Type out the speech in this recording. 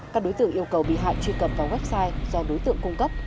các đối tượng yêu cầu bị hại truy cập vào website do đối tượng cung cấp